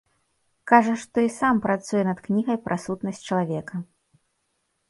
Кажа, што і сам працуе над кнігай пра сутнасць чалавека.